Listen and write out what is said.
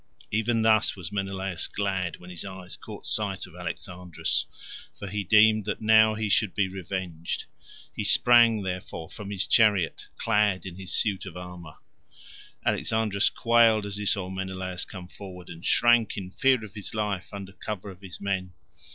Even thus was Menelaus glad when his eyes caught sight of Alexandrus, for he deemed that now he should be revenged. He sprang, therefore, from his chariot, clad in his suit of armour. Alexandrus quailed as he saw Menelaus come forward, and shrank in fear of his life under cover of his men.